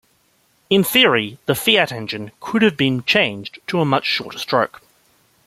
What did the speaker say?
In theory, the Fiat engine could have been changed to a much shorter stroke.